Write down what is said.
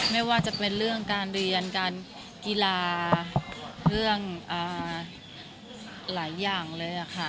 ไม่ว่าจะเป็นเรื่องการเรียนการกีฬาเรื่องหลายอย่างเลยค่ะ